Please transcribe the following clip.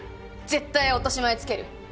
絶対落とし前つける！